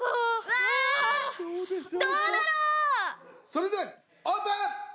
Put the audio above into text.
それではオープン！